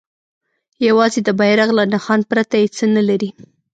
یوازې د بیرغ له نښان پرته یې څه نه لري.